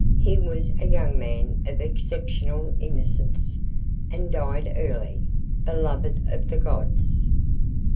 He was a young man of exceptional innocence, and died early, beloved of the gods.